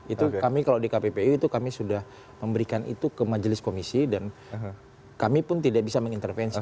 itu kami kalau di kppu itu kami sudah memberikan itu ke majelis komisi dan kami pun tidak bisa mengintervensi